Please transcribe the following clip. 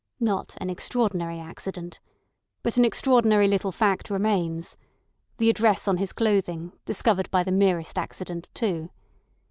Not an extraordinary accident. But an extraordinary little fact remains: the address on his clothing discovered by the merest accident, too.